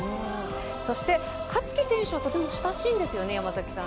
そして勝木選手はとても親しいんですよね。